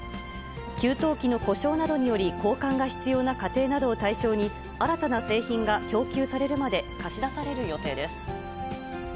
給湯器の故障などにより、交換が必要な家庭などを対象に、新たな製品が供給されるまで、貸し出される予定です。